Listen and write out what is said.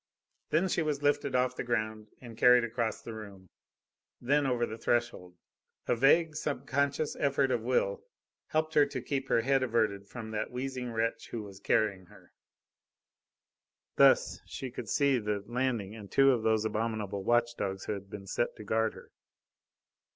Then she was lifted off the ground and carried across the room, then over the threshold. A vague, subconscious effort of will helped her to keep her head averted from that wheezing wretch who was carrying her. Thus she could see the landing, and two of those abominable watchdogs who had been set to guard her.